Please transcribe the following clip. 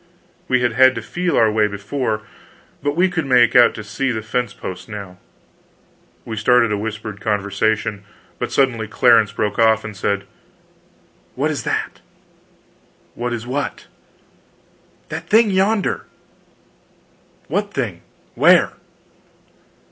We had had to feel our way before, but we could make out to see the fence posts now. We started a whispered conversation, but suddenly Clarence broke off and said: "What is that?" "What is what?" "That thing yonder." "What thing where?"